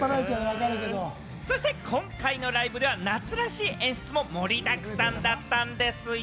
そして今回のライブでは夏らしい演出も盛りだくさんだったんですよ！